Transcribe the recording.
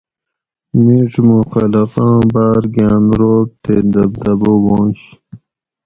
مِیڄ موں خلقاں باۤر گاۤن رعب تے دبدبہ وانش